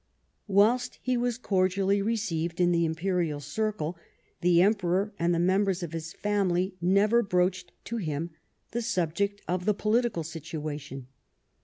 Whilst he was cordially received in the Imperial circle, the Emperor and the members of his family never broached to him the subject of the political situation.